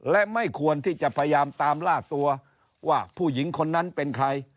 และไม่ควรที่จะพยายามตามล่าตัวว่าผู้หญิงคนนั้นเป็นใคร